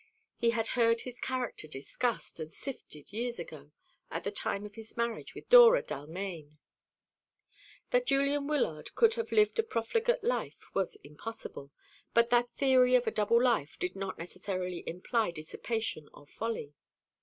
He had heard his character discussed and sifted years ago, at the time of his marriage with Dora Dalmaine. That Julian Wyllard could have lived a profligate life was impossible; but that theory of a double life did not necessarily imply dissipation or folly.